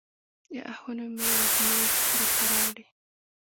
د آهونو مې وږمې درته راوړي